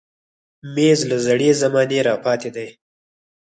مېز له زړې زمانې راپاتې دی.